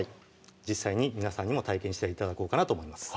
実際に皆さんにも体験して頂こうかなと思います